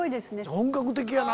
本格的やな！